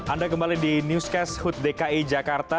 anda kembali di newscast hut dki jakarta